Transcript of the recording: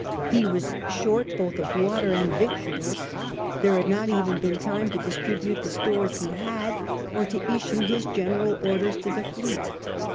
He was short both of water and victuals. There had not even been time to distri bute the stores he had, or to issue his general orders to the fleet.